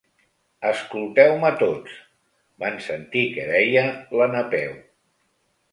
Escolteu-me tots —van sentir que deia la Napeu.